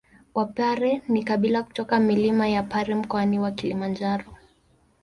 Wapare ni kabila kutoka milima ya Pare Mkoani wa Kilimanjaro